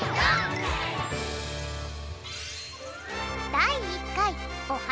だい１かい「オハ！